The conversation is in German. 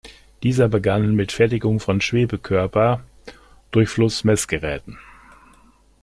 Dieser begann mit der Fertigung von Schwebekörper-Durchflussmessgeräten.